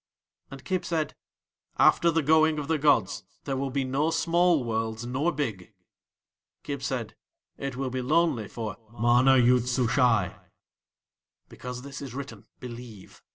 And Kib said: "After the going of the gods there will be no small worlds nor big." Kib said: "It will be lonely for MANA YOOD SUSHAI." Because this is written, believe!